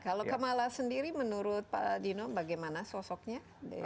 kalau kamala sendiri menurut pak dino bagaimana sosoknya